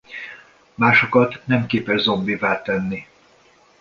Másokat nem képes zombivá tenni.